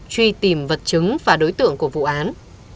truy tìm vật chứng và đối tượng của vụ án